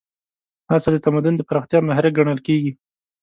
هڅه د تمدن د پراختیا محرک ګڼل کېږي.